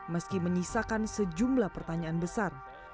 meski menyisakan sejumlah pertanyaan besar